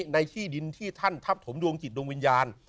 ในที่ดินที่ท่านทับถมดวงจิตดวงวิญญาณ